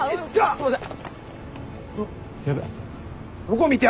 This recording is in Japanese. すみません。